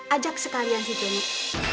ajak sekalian sidirun